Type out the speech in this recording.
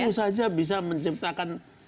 satu saja bisa menciptakan